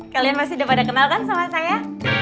kalian masih udah pada kenal kan sama saya